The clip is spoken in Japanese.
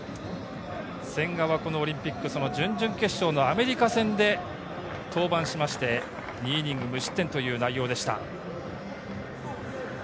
千賀はこのオリンピック、準々決勝のアメリカ戦で登板して、２イニング無失点という内容でした。